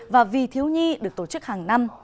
và vì thiếu nhi được tổ chức hàng năm